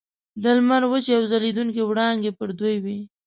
د لمر وچې او ځلیدونکي وړانګې پر دوی وې.